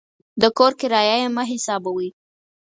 د کور کرایه یې مه حسابوئ.